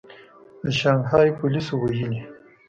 د شانګهای پولیسو ویلي